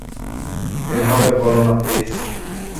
এভাবে বলো না, প্লীজ।